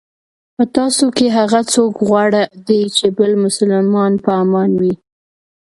په تاسو کې هغه څوک غوره دی چې بل مسلمان په امان وي.